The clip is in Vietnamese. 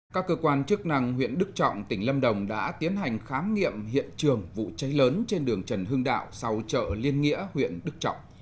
các cơ quan chức năng huyện đức trọng tỉnh lâm đồng đã tiến hành khám nghiệm hiện trường vụ cháy lớn trên đường trần hưng đạo sau chợ liên nghĩa huyện đức trọng